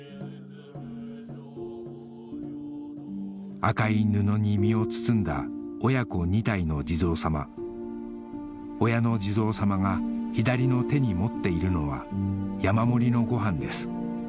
赤い布に身を包んだ親子２体の地蔵様親の地蔵様が左の手に持っているのは山盛りのご飯です